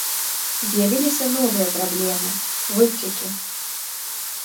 З'явіліся новыя праблемы, выклікі.